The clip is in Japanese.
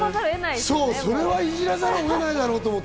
それはいじらざるを得ないだろうと思って。